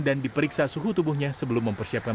dan diperiksa suhu tubuhnya sebelum mempersiapkan